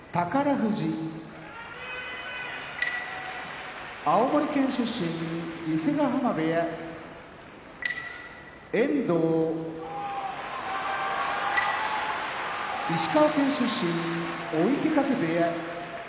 富士青森県出身伊勢ヶ濱部屋遠藤石川県出身追手風部屋